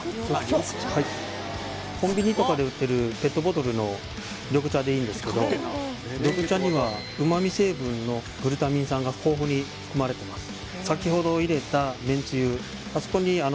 はいコンビニとかで売ってるペットボトルの緑茶でいいんですけど緑茶には旨味成分のグルタミン酸が豊富に含まれてます